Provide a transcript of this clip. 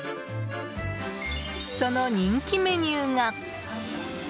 その人気メニューが。